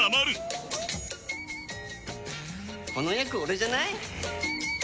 この役オレじゃない？